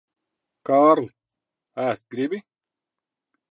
Kārli, ēst gribi?